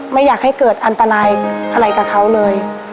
ไม่อยากให้เกิดอันตรายอะไรกับเขาเลย